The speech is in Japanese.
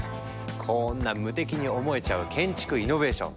こんな無敵に思えちゃう建築イノベーション。